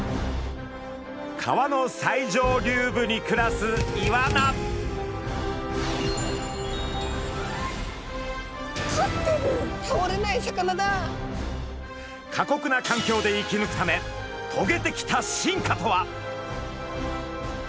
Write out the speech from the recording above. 川の最上流部に暮らす過酷な環境で生きぬくためとげてきた進化とは？